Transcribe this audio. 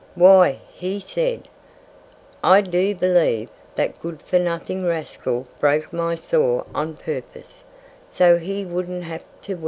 "Why," he said, "I do believe that good for nothing rascal broke my saw on purpose, so he wouldn't have to work."